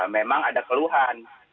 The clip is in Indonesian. memang ada keluhan